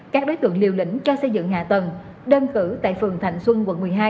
các đối tượng liều lĩnh cho xây dựng hạ tầng đơn cử tại phường thành xuân quận một mươi hai